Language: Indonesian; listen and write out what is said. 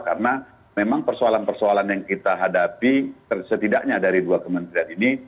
karena memang persoalan persoalan yang kita hadapi setidaknya dari dua kementerian ini